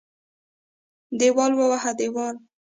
دېوال ووهه دېوال.